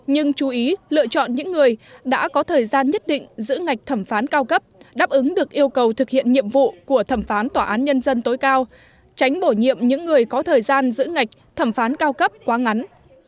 nhưng chú ý lựa chọn những người đã có thời gian nhất định giữ ngạch thẩm phán cao cấp đáp ứng được yêu cầu thực hiện nhiệm vụ của thẩm phán tòa án nhân dân tối cao tránh bổ nhiệm những người có thời gian giữ ngạch thẩm phán cao cấp quá ngắn